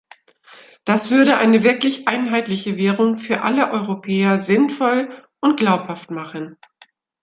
Das würde eine wirklich einheitliche Währung für alle Europäer sinnvoll und glaubhaft machen.